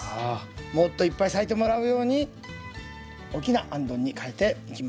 もっといっぱい咲いてもらうように大きなあんどんに替えておきます。